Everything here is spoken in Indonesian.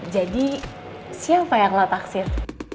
jadi siapa yang lo taksir